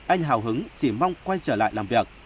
anh hào hứng chỉ mong quay trở lại làm việc